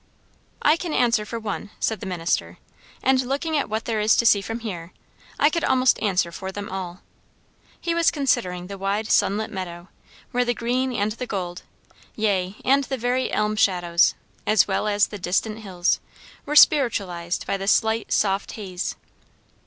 "I can answer for one," said the minister. "And looking at what there is to see from here, I could almost answer for them all." He was considering the wide sunlit meadow, where the green and the gold, yea, and the very elm shadows, as well as the distant hills, were spiritualized by the slight soft haze.